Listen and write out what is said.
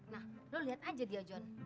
nah lo lihat aja dia john